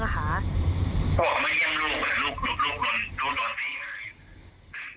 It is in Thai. ปลอดภัยไม่เยี่ยมลูกถูกลดไป